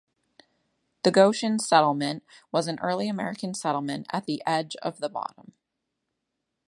The Goshen Settlement was an early American settlement at the edge of the Bottom.